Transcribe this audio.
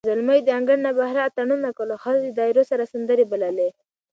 زلمیو د انګړ نه بهر اتڼونه کول، او ښځو د دایرو سره سندرې بللې.